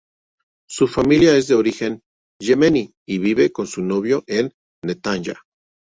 Su familia es de origen yemení y vive con su novio en Netanya.